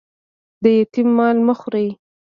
د یتيم مال مه خوري